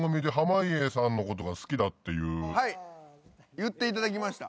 言っていただきました。